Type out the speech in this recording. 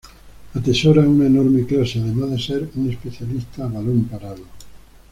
Atesora una enorme clase además de ser un especialista a balón parado.